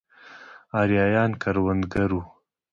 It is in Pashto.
ارایایان کروندګر وو.